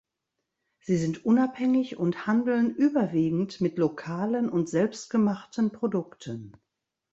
Sie sind unabhängig und handeln überwiegend mit lokalen und selbstgemachten Produkten.